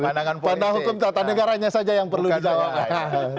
pandangan hukum tata negaranya saja yang perlu dijawab